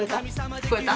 聞こえた？